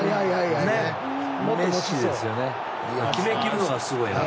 でも決めきるのがすごいな。